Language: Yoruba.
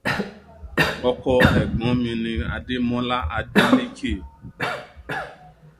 Ọkọ ẹ̀gbọ́n mi ni Adẹ́mọ́lá Adélékè.